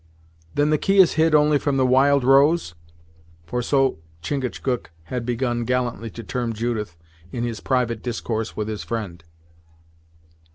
"Then the key is hid only from the Wild Rose?" for so Chingachgook had begun gallantly to term Judith, in his private discourse with his friend.